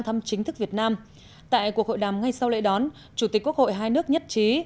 tại cuộc hội đàm ngay sau lễ đón chủ tịch quốc hội hai nước nhất trí